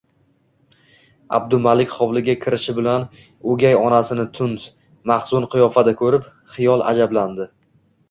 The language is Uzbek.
Abdumalik hovliga kirishi bilan o`gay onasini tund, mahzun qiyofada ko`rib, xiyol ajablandi